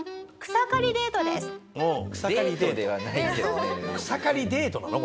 草刈り「デート」なの？